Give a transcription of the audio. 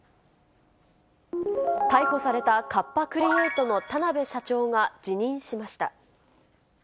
逮捕されたカッパ・クリエイトの田辺社長が辞任しました。